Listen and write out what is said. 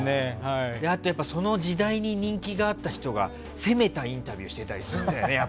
あと、その時代に人気があった人が攻めたインタビューしてたりするんだよね。